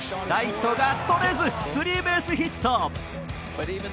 ライトがとれず、スリーベースヒット。